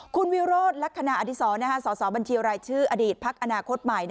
คุณวิโรธลักษณะอดีศอสอดีตภักดิ์อนาคตใหม่